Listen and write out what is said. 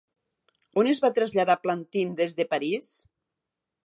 On es va traslladar Plantin des de París?